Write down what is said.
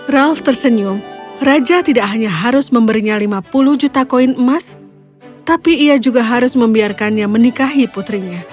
ralf tersenyum raja tidak hanya harus memberinya lima puluh juta koin emas tapi ia juga harus membiarkannya menikahi putrinya